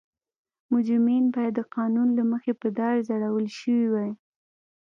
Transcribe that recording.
مجرمین باید د قانون له مخې په دار ځړول شوي وای.